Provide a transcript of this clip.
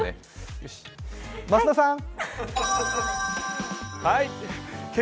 よし、増田さん！